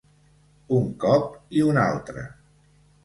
Un cop i un altre.